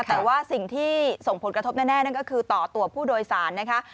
แต่ว่าสิ่งที่ส่งผลกระทบแน่นั่นก็คือต่อตัวผู้โดยสารนะคะ